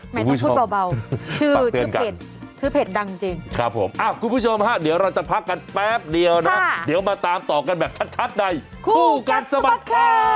ไม่ต้องพูดเบาชื่อเพจยัง